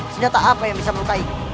senjata apa yang bisa melukai